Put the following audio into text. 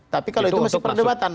tapi kalau itu masih perdebatan